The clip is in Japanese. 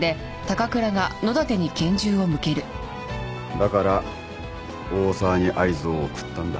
だから大澤に合図を送ったんだ。